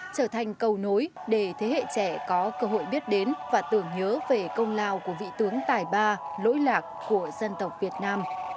trở thành cầu nối để thế hệ trẻ có cơ hội biết đến và tưởng nhớ về công lao của vị tướng tài ba lỗi lạc của dân tộc việt nam